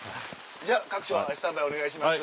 じゃあ各所スタンバイお願いします。